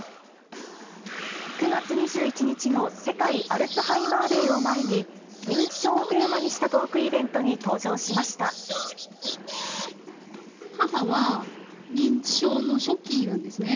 ９月２１日の世界アルツハイマーデーを前に、認知症をテーマにし母は認知症の初期なんですね。